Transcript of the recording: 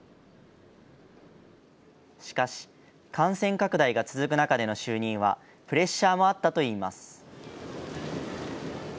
しかし感染拡大が続く中での就任はプレッシャーもあったといいます。